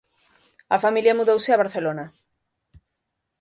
A familia mudouse a Barcelona.